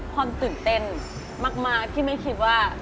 ความตื่นเต้นมากที่ไม่คิดว่า